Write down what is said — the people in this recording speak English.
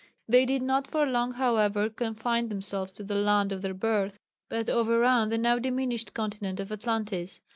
They did not for long, however, confine themselves to the land of their birth, but overran the now diminished continent of Atlantis.